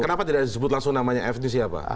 kenapa tidak disebut langsung namanya f ini siapa